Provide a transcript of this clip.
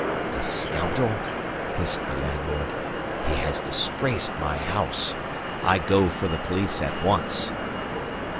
"The scoundrel!" hissed the landlord. "He has disgraced my house. I go for the police at once!"